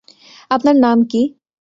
আপনার নাম কী?